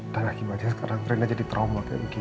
dan akibatnya sekarang rina jadi trauma seperti ini